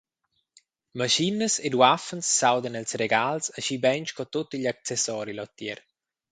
Maschinas ed uaffens s’audan els regals aschi bein sco tut igl accessori leutier.